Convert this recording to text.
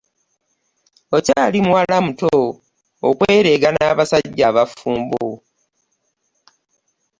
Okyali muwala muto okwereega n'abasajja abafumbo